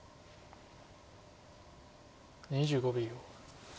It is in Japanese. ２５秒。